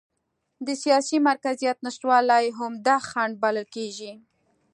د سیاسي مرکزیت نشتوالی عمده خنډ بلل کېږي.